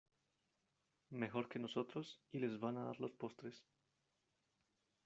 mejor que nosotros y les van a dar los postres.